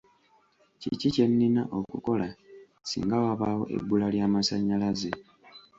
Kiki kye nnina okukola singa wabaawo ebbula ly'amasannyalaze?